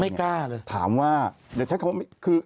ไม่กล้าเลยอย่าใช้คำว่าคือ